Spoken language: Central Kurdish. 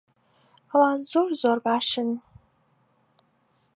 ئەوان زۆر زۆر باشن.